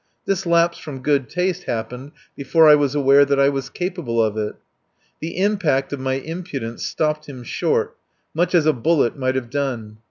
This lapse from good taste happened before I was aware that I was capable of it. The impact of my impudence stopped him short, much as a bullet might have done.